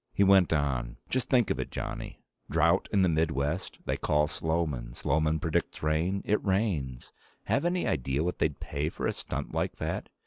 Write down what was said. He went on: "Just think of it, Johnny. Drought in the Midwest. They call Sloman. Sloman predicts rain. It rains. Have any idea what they'd pay for a stunt like that?